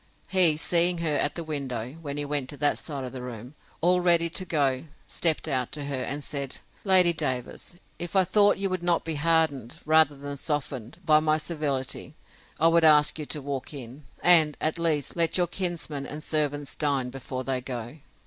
He, seeing her at the window, when he went to that side of the room, all ready to go, stept out to her, and said, Lady Davers, if I thought you would not be hardened, rather than softened, by my civility, I would ask you to walk in; and, at least, let your kinsman and servants dine before they go.